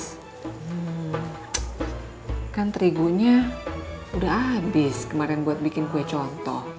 hmm kan terigunya udah habis kemarin buat bikin kue contoh